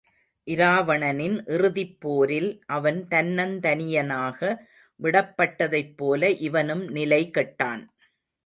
இராவணனின் இறுதிப் போரில் அவன் தன்னந்தனிய னாக விடப்பட்டதைப்போல இவனும் நிலை கெட்டான்.